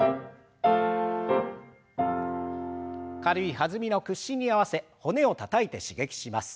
軽い弾みの屈伸に合わせ骨をたたいて刺激します。